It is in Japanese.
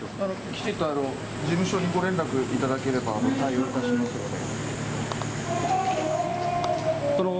きちんと事務所にご連絡いただければ対応いたしますので。